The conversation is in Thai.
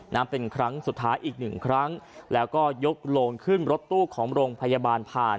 เป็นครั้งสุดท้ายอีกหนึ่งครั้งแล้วก็ยกโลงขึ้นรถตู้ของโรงพยาบาลผ่าน